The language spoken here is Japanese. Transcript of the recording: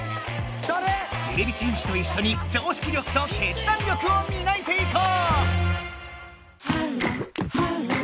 てれび戦士といっしょに常識力と決断力をみがいていこう！